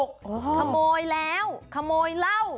นกเนี้ยแหละ